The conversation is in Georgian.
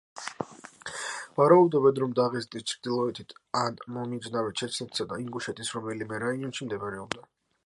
ვარაუდობენ, რომ დაღესტნის ჩრდილოეთით ან მომიჯნავე ჩეჩნეთისა და ინგუშეთის რომელიმე რაიონში მდებარეობდა.